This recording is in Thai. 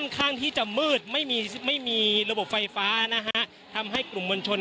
ข้างที่จะมืดไม่มีไม่มีระบบไฟฟ้านะฮะทำให้กลุ่มมวลชน